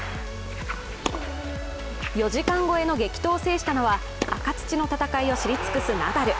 ４時間超えの激闘を制したのは赤土の戦いを知り尽くすナダル。